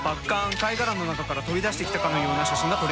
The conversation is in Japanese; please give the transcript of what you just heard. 貝殻の中から飛び出してきたかのような写真が撮れる。